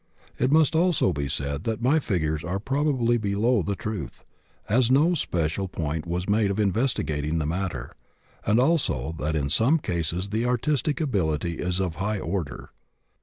It must also be said that my figures are probably below the truth, as no special point was made of investigating the matter, and also that in some cases the artistic ability is of high order.